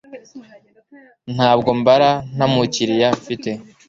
Ntabwo mbara nta mukiriya mfite